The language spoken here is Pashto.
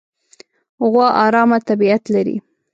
غوا ارامه طبیعت لري.